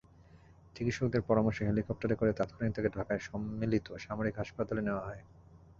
চিকিৎসকদের পরামর্শে হেলিকপ্টারে করে তাৎক্ষণিক তাঁকে ঢাকায় সম্মিলিত সামরিক হাসপাতালে নেওয়া হয়।